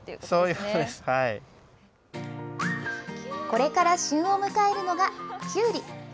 これから旬を迎えるのが、キュウリ。